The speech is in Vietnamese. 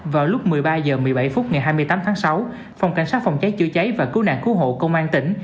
vào lúc một mươi ba h một mươi bảy phút ngày hai mươi tám tháng sáu phòng cảnh sát phòng cháy chữa cháy và cứu nạn cứu hộ công an tỉnh